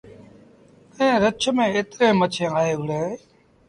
ائيٚݩٚ رڇ ميݩ ايتريݩ مڇيٚنٚ آئي وهُڙينٚ